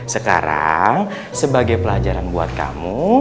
sekarang sebagai pelajaran buat kamu